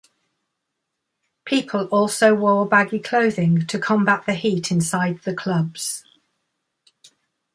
People also wore baggy clothing to combat the heat inside the clubs.